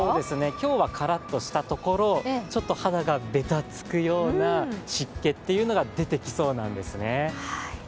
今日はカラッとしたところ、肌がべたつくような湿気というのが出てきそうなんですね。